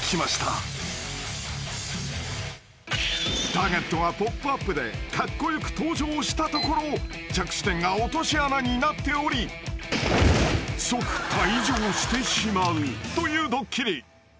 ［ターゲットがポップアップでカッコ良く登場したところ着地点が落とし穴になっており即退場してしまうというドッキリ］